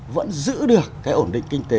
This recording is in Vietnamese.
vẫn giữ được cái ổn định kinh tế